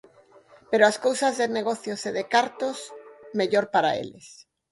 Pero as cousas de negocios e de cartos, mellor para eles.